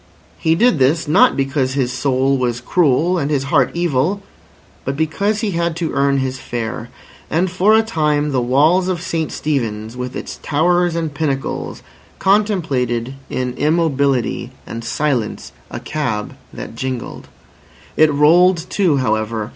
He did this, not because his soul was cruel and his heart evil, but because he had to earn his fare. And for a time the walls of St Stephen's, with its towers and pinnacles, contemplated in immobility and silence a cab that jingled. It rolled too, however.